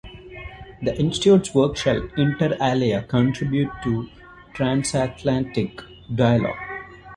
The Institute's work shall inter alia contribute to the transatlantic dialogue.